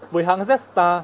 với hãng zstar